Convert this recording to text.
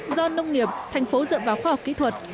do nông nghiệp thành phố dựa vào khoa học kỹ thuật